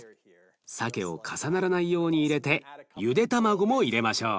さけを重ならないように入れてゆで卵も入れましょう。